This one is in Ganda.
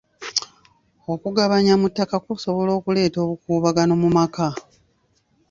Okugabanya mu ttaka kusobola okuleeta obukuubagano mu maka.